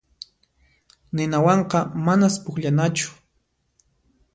Ninawanqa manas pukllanachu.